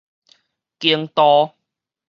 經度